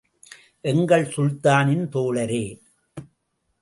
எங்கள் சுல்தானின் தோழரே!